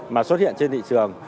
mà xuất hiện trên thị trường